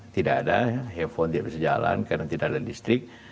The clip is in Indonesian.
tidak ada handphone tidak bisa jalan karena tidak ada listrik